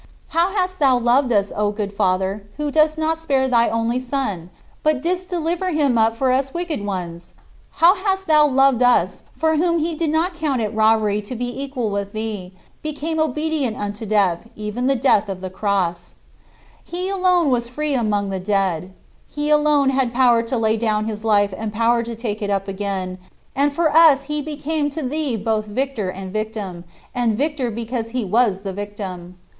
69. How hast thou loved us, O good Father, who didst not spare thy only Son, but didst deliver him up for us wicked ones! How hast thou loved us, for whom he who did not count it robbery to be equal with thee "became obedient unto death, even the death of the cross"! He alone was "free among the dead." He alone had power to lay down his life and power to take it up again, and for us he became to thee both Victor and Victim; and Victor because he was the Victim.